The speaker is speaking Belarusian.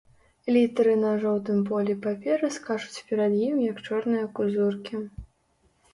Літары на жоўтым полі паперы скачуць перад ім, як чорныя кузуркі.